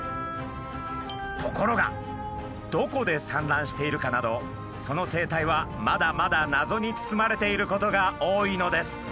ところがどこで産卵しているかなどその生態はまだまだ謎に包まれていることが多いのです。